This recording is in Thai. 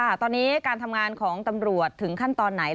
ค่ะตอนนี้การทำงานของตำรวจถึงขั้นตอนไหน